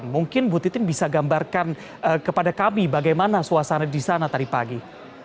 mungkin bu titin bisa gambarkan kepada kami bagaimana suasana di sana tadi pagi